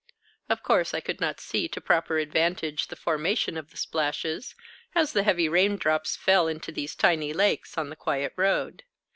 Of course, I could not see to proper advantage the formation of the splashes, as the heavy raindrops fell into these tiny lakes on the quiet road.